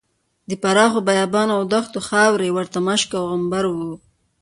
د پراخو بیابانونو او دښتونو خاورې ورته مشک او عنبر وو.